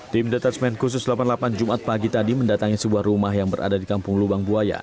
tim detesmen khusus delapan puluh delapan jumat pagi tadi mendatangi sebuah rumah yang berada di kampung lubang buaya